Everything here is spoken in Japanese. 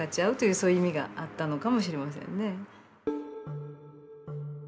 そういう意味があったのかもしれませんね。